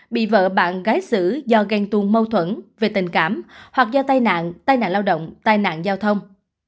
bị vợ bạn gái xử do ghen tuôn mâu thuẫn về tình cảm hoặc do tai nạn tai nạn lao động tai nạn giao thông